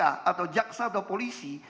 atau jaksa atau polisi